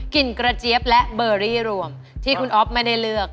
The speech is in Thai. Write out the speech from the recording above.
กระเจี๊ยบและเบอรี่รวมที่คุณอ๊อฟไม่ได้เลือก